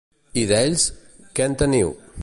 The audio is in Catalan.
I d'ells, que en teniu?